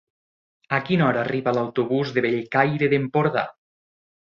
A quina hora arriba l'autobús de Bellcaire d'Empordà?